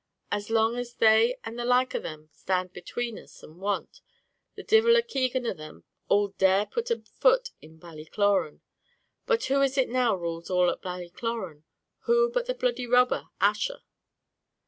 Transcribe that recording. As long as they and the like of them'd stand between us and want, the divil a Keegan of them all'd dare put a foot in Ballycloran. But who is it now rules all at Ballycloran? Who, but that bloody robber, Ussher?